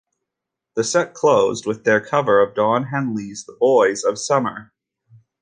The set closed with their cover of Don Henley's The Boys of Summer.